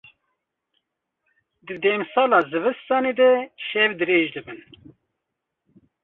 Di demsala zivistanê de, şev dirêj dibin.